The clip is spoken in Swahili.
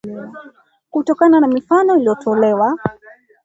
Kutokana na mifano iliyotolewa